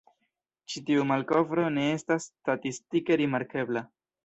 Ĉi tiu malkovro ne estas statistike rimarkebla.